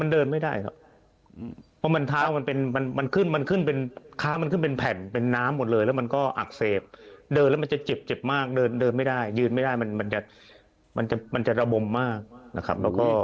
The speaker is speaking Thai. ฉี่ไม่ได้เพราะว่ามันเดินไม่ได้ครับเพราะมันข้ามันขึ้นเป็นแผ่นเป็นน้ำหมดเลยแล้วมันก็อักเสบเดินแล้วมันจะเจ็บมากเดินไม่ได้ยืนไม่ได้มันจะระบมมากนะครับ